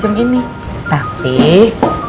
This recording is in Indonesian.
yang ini janjim